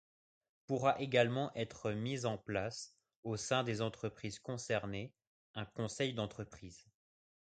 Pourra également être mis en place, au sein des entreprises concernées, un conseil d'entreprise.